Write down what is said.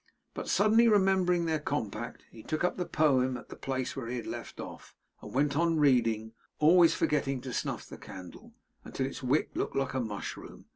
But suddenly remembering their compact, he took up the poem at the place where he had left off, and went on reading; always forgetting to snuff the candle, until its wick looked like a mushroom.